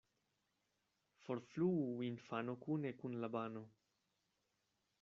Forfluu infano kune kun la bano.